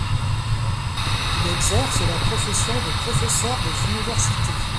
Il exerce la profession de professeur des universités.